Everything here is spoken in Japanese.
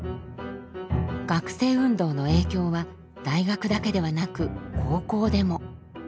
学生運動の影響は大学だけではなく高校でも。